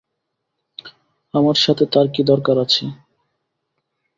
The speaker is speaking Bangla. আমার সাথে তাঁর কী দরকার আছে?